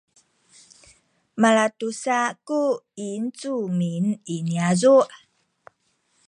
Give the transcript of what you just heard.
malatusa ku yincumin i niyazu’